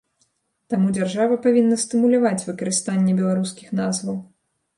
Таму дзяржава павінна стымуляваць выкарыстанне беларускіх назваў.